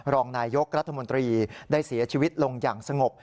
รองนายยกรัฐมนตรีได้เสียชีวิตลงอย่างสงบ